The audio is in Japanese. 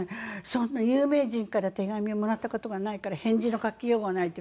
そんな有名人から手紙をもらった事がないから返事の書きようがないって。